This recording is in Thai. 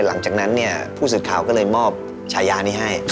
หลังจากนั้นเนี่ยผู้สื่อข่าวก็เลยมอบฉายานี้ให้